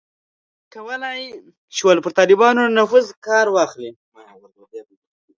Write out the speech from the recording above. کولای یې شول پر طالبانو له نفوذه کار واخلي.